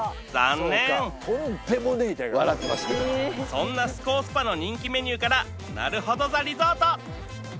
残念そんなスコースパの人気メニューからなるほど・ザ・リゾート